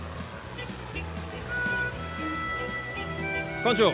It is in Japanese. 館長